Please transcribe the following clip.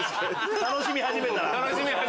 楽しみ始めたら。